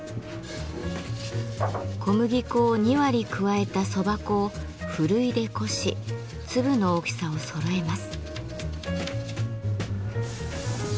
小麦粉を２割加えた蕎麦粉をふるいで漉し粒の大きさをそろえます。